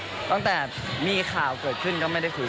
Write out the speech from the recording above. ซึ่งเจ้าตัวก็ยอมรับว่าเออก็คงจะเลี่ยงไม่ได้หรอกที่จะถูกมองว่าจับปลาสองมือ